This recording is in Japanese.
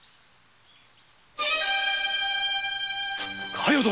加代殿！？